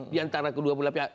di antara kedua belah pihak